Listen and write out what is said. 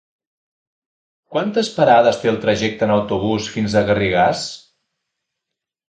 Quantes parades té el trajecte en autobús fins a Garrigàs?